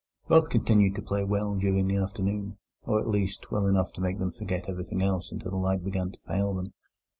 Both continued to play well during the afternoon, or, at least, well enough to make them forget everything else until the light began to fail them.